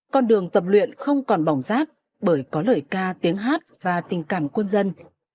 con đường tập luyện không còn bỏng rác bởi có lời ca tiếng hát và tình cảm quân dân